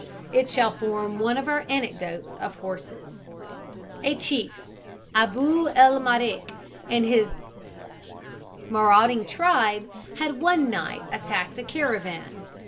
It shall form one of our anecdotes of horses. A chief, Abou el Marek, and his marauding tribe, had one night attacked a caravan.